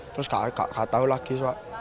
terus gak tau lagi